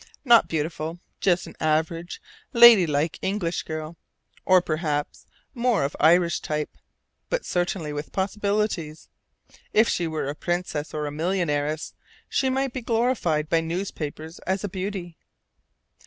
Not beautiful: just an average, lady like English girl or perhaps more of Irish type; but certainly with possibilities. If she were a princess or a millionairess, she might be glorified by newspapers as a beauty.